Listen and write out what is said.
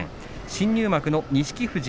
新入幕の錦富士